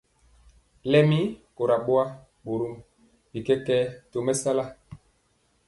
Lɛmi kora boa, borom bi kɛkɛɛ tɔ mesala.